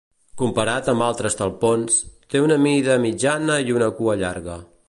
Comparat amb altres talpons, té una mida mitjana i una cua llarga.